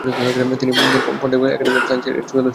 তিনি Pontifical Academy of সায়েন্সেস-এর সদস্য নিযুক্ত হন।